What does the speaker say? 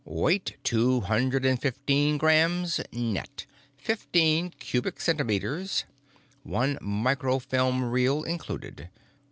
"——weight two hundred and fifteen grams, net; fifteen cubic centimeters; one microfilm reel included.